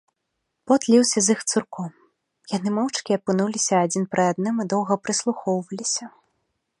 Пот ліўся з іх цурком, яны моўчкі апынуліся адзін пры адным і доўга прыслухоўваліся.